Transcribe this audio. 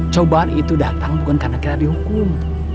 cobaan itu datang bukan karena kita dihukum